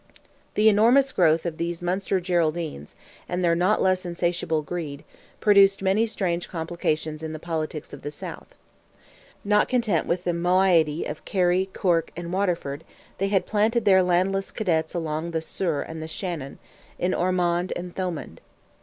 The enormous growth of these Munster Geraldines, and their not less insatiable greed, produced many strange complications in the politics of the South. Not content with the moiety of Kerry, Cork, and Waterford, they had planted their landless cadets along the Suir and the Shannon, in Ormond and Thomond.